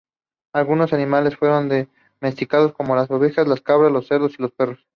Algunos animales fueron domesticados como las ovejas, las cabras, los cerdos y los perros.